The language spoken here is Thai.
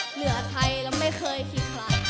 เหลือไทยเราไม่เคยขี้ขลาด